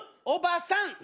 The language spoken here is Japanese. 「おばさん」。